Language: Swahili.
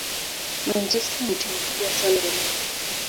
Manchester ni timu kubwa sana Ulaya